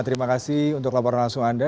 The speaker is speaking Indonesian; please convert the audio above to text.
terima kasih untuk laporan langsung anda